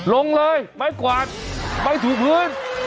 ลงเลยไม้กวาดไม่ถูกพื้น